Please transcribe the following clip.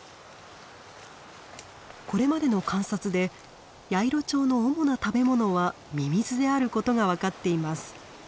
これまでの観察でヤイロチョウの主な食べ物はミミズであることが分かっています。